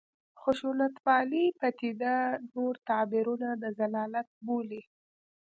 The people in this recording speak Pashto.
خشونتپالې پدیده نور تعبیرونه د ضلالت بولي.